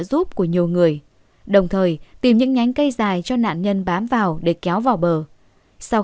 giúp của nhiều người đồng thời tìm những nhánh cây dài cho nạn nhân bám vào để kéo vào bờ sau